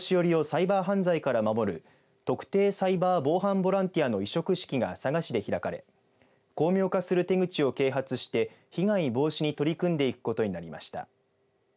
サイバー防犯ボランティアの委嘱式が佐賀市で開かれ巧妙化する手口を啓発して被害防止に取り組んでいくことになりました。